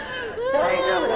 大丈夫だ！